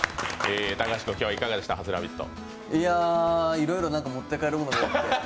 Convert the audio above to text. いろいろ持って帰るものが多くて。